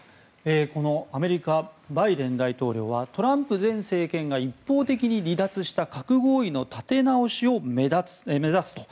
このアメリカ、バイデン大統領はトランプ前政権が一方的に離脱した核合意の立て直しを目指すと。